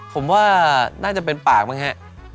ผมว่าน่าจะเป็นปากมั้งฮะ